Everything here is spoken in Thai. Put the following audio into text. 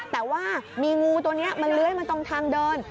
แต่ว่ามีงูตัวนี้มันเลื้อยมาตรงทางเดิน